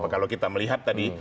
kalau kita melihat tadi